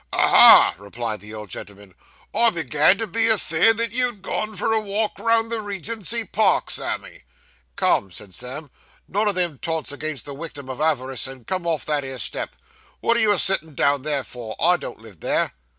'Aha!' replied the old gentleman, 'I began to be afeerd that you'd gone for a walk round the Regency Park, Sammy.' 'Come,' said Sam, 'none o' them taunts agin the wictim o' avarice, and come off that 'ere step. Wot are you a settin' down there for? I don't live there.